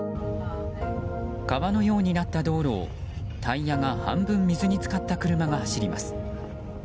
川のようになった道路をタイヤが半分水に浸かった車が走ります。